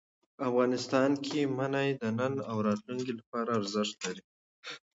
افغانستان کې منی د نن او راتلونکي لپاره ارزښت لري.